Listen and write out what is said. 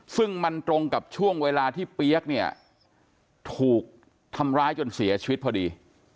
ซึ่งมันตรงกับช่วงเวลาที่เปี๊ยกเนี่ยถูกทำร้ายจนเสียชีวิตพอดี